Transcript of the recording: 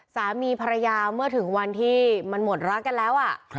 สามีภรรยาเมื่อถึงวันที่มันหมดรักกันแล้ว